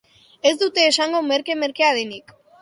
Ez dut esango merke-merkea denik.